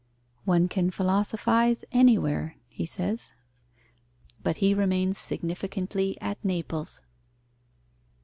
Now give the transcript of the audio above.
"One can philosophize anywhere," he says but he remains significantly at Naples.